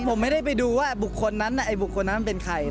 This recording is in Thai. ผมไม่ได้ไปดูว่าบุคคลนั้นเป็นใคร